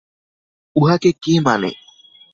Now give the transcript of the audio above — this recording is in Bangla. উহাকে কে মানে!